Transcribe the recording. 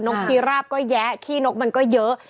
กพีราบก็แยะขี้นกมันก็เยอะ